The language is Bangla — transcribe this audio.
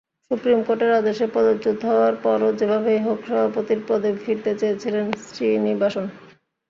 সুপ্রিম কোর্টের আদেশে পদচ্যুত হওয়ার পরও যেভাবেই হোক সভাপতির পদে ফিরতে চেয়েছিলেন শ্রীনিবাসন।